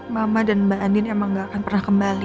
mama dan mbak andin emang gak akan pernah kembali